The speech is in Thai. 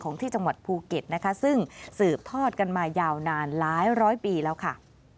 ที่จังหวัดภูเก็ตนะคะซึ่งสืบทอดกันมายาวนานหลายร้อยปีแล้วค่ะ